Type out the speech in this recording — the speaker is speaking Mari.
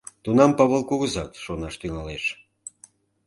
Тунам Павыл кугызат шонаш тӱҥалеш.